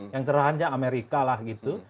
yang cerahannya amerika lah gitu